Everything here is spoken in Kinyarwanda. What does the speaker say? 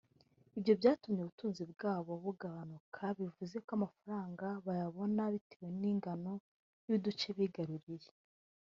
Ibyo byatumye ubutunzi bwabo bugabanuka bivuze ko amafaranga bayabona bitewe n’ingano y’uduce bigaruriye